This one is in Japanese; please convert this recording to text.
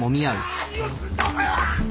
何をするんだお前は！